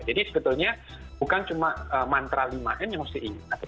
jadi sebetulnya bukan cuma mantra lima m yang harus diinginkan